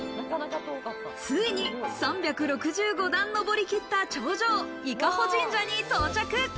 ついに３６５段上りきった頂上、伊香保神社に到着。